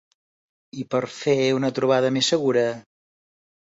I per fer una trobada més segura?